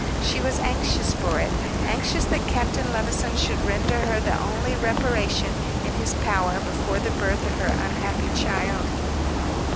She was anxious for it anxious that Captain Levison should render her the only reparation in his power before the birth of her unhappy child.